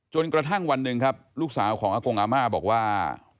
จนกระทั่งวันหนึ่งครับลูกสาวของอากงอาม่าบอกว่า